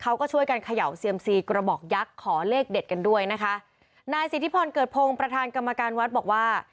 เขาก็ช่วยกันเขย่าเซียมซีกระบอกยักษ์ขอเลขเด็ดกันด้วยนะคะนายสิทธิพรเกิดพงศ์ประธานกรรมการวัดบอกว่า